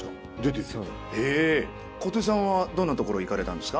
小手さんはどんな所行かれたんですか？